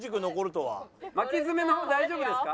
巻き爪の方大丈夫ですか？